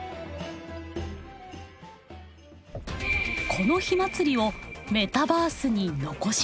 この火祭りをメタバースに残します。